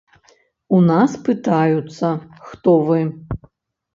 У нас пытаюцца, хто вы.